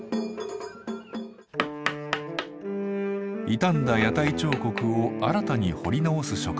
傷んだ屋台彫刻を新たに彫り直す職人黒崎さん。